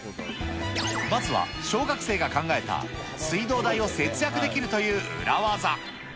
まずは小学生が考えた、水道代を節約できるという裏ワザ。